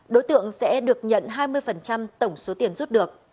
đối tượng sẽ được nhận hai mươi tổng số tiền rút được